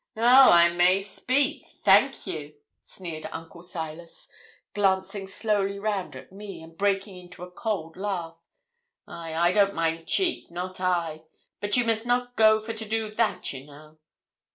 'Oh, I may speak? Thank you,' sneered Uncle Silas, glancing slowly round at me, and breaking into a cold laugh. 'Ay, I don't mind cheek, not I; but you must not go for to do that, ye know.